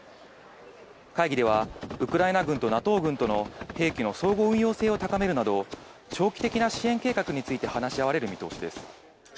会議では、ウクライナ軍とＮＡＴＯ軍との兵器の相互運用性を高めるなど、長期的な支援計画について話し合われる見通しです。